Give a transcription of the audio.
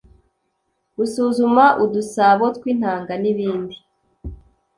gusuzuma udusabo tw’intanga n’ibindi